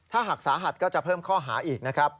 ถ้าหากสาหัสก็จะเพิ่มข้อหาอีกนะครับ